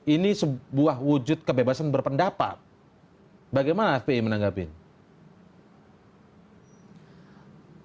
ini sebuah wujud kebebasan berpendapat bagaimana fpi menanggap ini